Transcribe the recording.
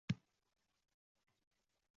Yozuvchi bu noyob xazinadan muttasil bahramand.